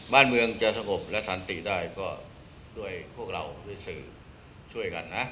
บ้านเมืองจะสงบและสันติได้ก็ด้วยพวกเราด้วยสื่อช่วยกันนะ